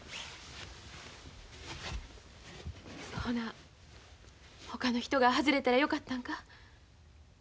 ほなほかの人が外れたらよかったんか？